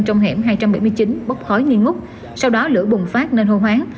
trong hẻm hai trăm bảy mươi chín bốc khói nghi ngút sau đó lửa bùng phát nên hô hoáng